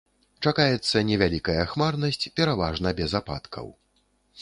Чакаецца невялікая хмарнасць, пераважна без ападкаў.